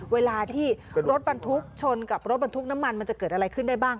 เวลาที่รถบรรทุกชนกับรถบรรทุกน้ำมันมันจะเกิดอะไรขึ้นได้บ้าง